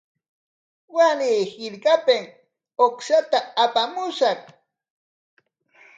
Waray hirpapik uqshata apamushaq.